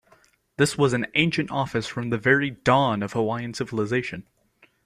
This was an ancient office from the very dawn of Hawaiian civilization.